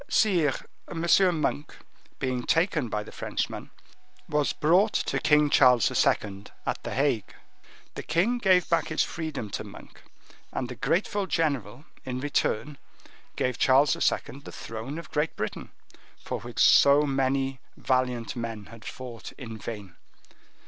"Sire, M. Monk, being taken by the Frenchman, was brought to King Charles II., at the Hague. The king gave back his freedom to Monk, and the grateful general, in return, gave Charles II. the throne of Great Britain, for which so many valiant men had fought in vain."